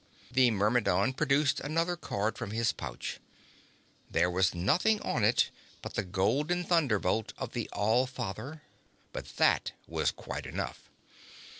The Myrmidon produced another card from his pouch. There was nothing on it but the golden Thunderbolt of the All Father but that was quite enough.